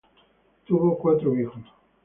Tuvo cuatro hijos.